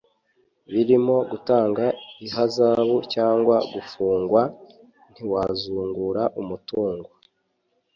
birimo gutanga ihazabu cyangwa gufungwa. ntiwazungura umutungo